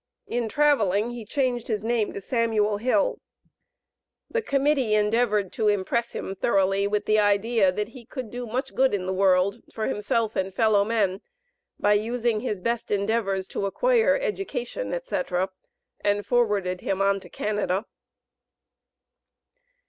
In traveling, he changed his name to Samuel Hill. The Committee endeavored to impress him thoroughly, with the idea that he could do much good in the world for himself and fellow men, by using his best endeavors to acquire education, etc., and forwarded him on to Canada.